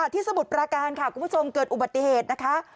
ที่สมุดประการคุณผู้ชมเกิดอุบัติเหตุนะคะ